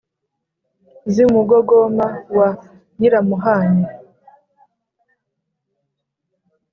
z’i mugogoma wa nyiramuhanyi